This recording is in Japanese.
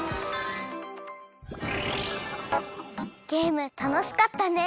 ゲームたのしかったね！